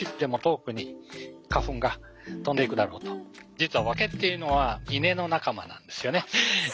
実は竹っていうのは稲の仲間なんですよね。